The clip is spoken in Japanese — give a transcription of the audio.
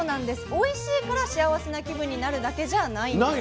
おいしいから幸せな気分になるだけじゃないんです。